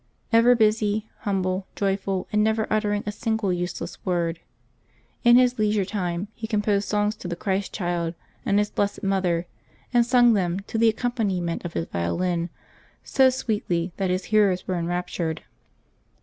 Ever busy, humble, jojrful, and never uttering a single useless word, in his leisure time he composed songs to the Christ child and His blessed Mother, and sung them, to the accompaniment of his violin, so sweetly that his hearers were enraptured.